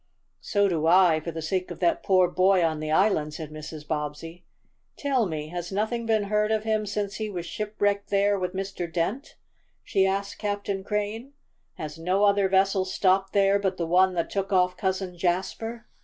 "So do I, for the sake of that poor boy on the island," said Mrs. Bobbsey. "Tell me, has nothing been heard of him since he was shipwrecked there with Mr. Dent?" she asked Captain Crane. "Has no other vessel stopped there but the one that took off Cousin Jasper?"